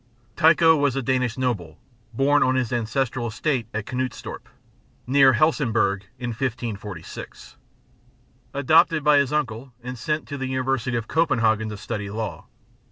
_ Tycho was a Danish noble, born on his ancestral estate at Knudstorp, near Helsinborg, in 1546. Adopted by his uncle, and sent to the University of Copenhagen to study law.